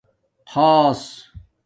خآص